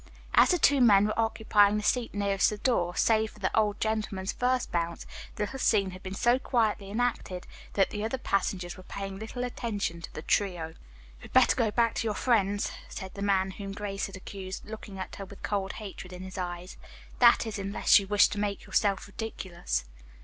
As the two men were occupying the seat nearest the door, save for the old gentleman's first bounce, the little scene had been so quietly enacted that the other passengers were paying little attention to the trio. "You had better go back to your friends," said the man whom Grace had accused, looking at her with cold hatred in his eyes. "That is, unless you wish to make yourself ridiculous."